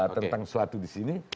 tentang suatu disini